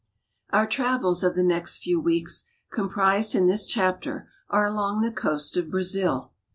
OUR travels of the next few weeks, comprised in this chapter, are along the coast of Brazil.